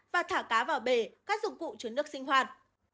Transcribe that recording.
và thả cá vào bể các dụng cụ chứa nước sinh hoạt